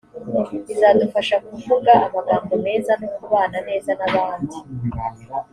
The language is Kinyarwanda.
bizadufasha kuvuga amagambo meza no kubana neza n’ abandi